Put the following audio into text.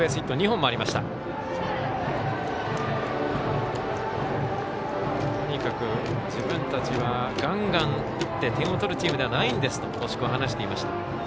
とにかく自分たちはガンガン打って点を取るチームではないんですと星子は話していました。